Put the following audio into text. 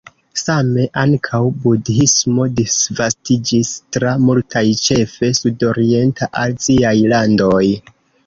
Same ankaŭ Budhismo disvastiĝis tra multaj ĉefe sudorienta aziaj landoj.